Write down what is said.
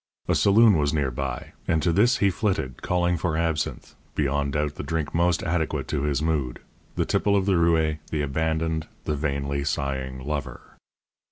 A saloon was near by, and to this he flitted, calling for absinthe beyond doubt the drink most adequate to his mood the tipple of the roué, the abandoned, the vainly sighing lover.